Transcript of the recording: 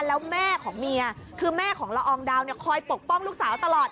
แล้วแม่ของเมียคือแม่ของละอองดาวเนี่ยคอยปกป้องลูกสาวตลอด